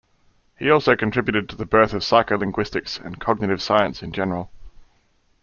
He also contributed to the birth of psycholinguistics and cognitive science in general.